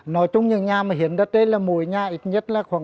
nói chung những nhà mà hiến đất đây là mỗi nhà ít nhất là khoảng